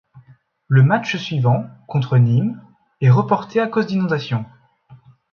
Le match suivant, contre Nîmes, est reporté à cause d'inondations.